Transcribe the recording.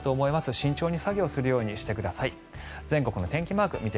慎重に作業するようにしてください。